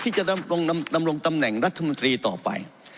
ที่จะดำรงตำแหน่งรัฐมนตรีต่อไป